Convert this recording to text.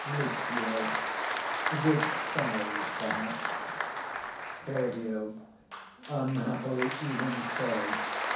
Lucio. With child, perhaps? Claud. Unhappily, even so.